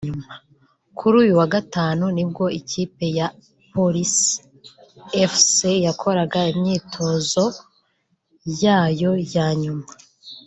Kuri uyu wa Gatanu ubwo ikipe ya Police Fc yakoraga imyitozo yayo ya nyuma